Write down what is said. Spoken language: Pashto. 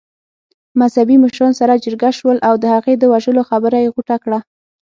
مذهبي مشران سره جرګه شول او د هغې د وژلو خبره يې غوټه کړه.